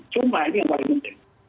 cuma ini yang paling penting